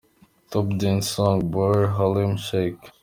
Top Dance Song: Baauer "Harlem Shake" .